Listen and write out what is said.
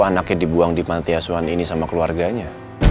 anaknya dibuang di panti asuhan ini sama keluarganya